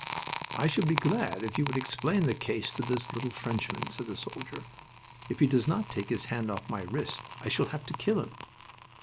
"I should be glad if you would explain the case to this little Frenchman," said the soldier. "If he does not take his hand off my wrist I shall have to kill him."